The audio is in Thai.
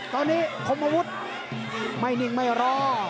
ตอนนี้คมอาวุธไม่นิ่งไม่รอ